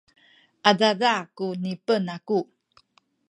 adada ku ngipen aku